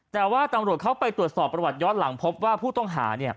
แต่ว่าตำรวจเข้าไปตรวจสอบประวัติย้อนหลังพบว่าผู้ต้องหา